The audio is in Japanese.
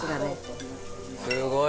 すごい！